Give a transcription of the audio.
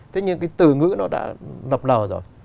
thế nhưng cái từ ngữ nó đã nập lờ rồi